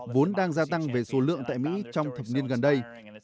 vốn đang gia tăng về số lượng tại mỹ trong thập niên gần đây